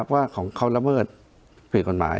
ว่าของเขาระเบิดผิดกฎหมาย